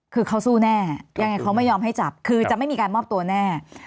คือเขาสู้แน่ยังไงเขาไม่ยอมให้จับคือจะไม่มีการมอบตัวแน่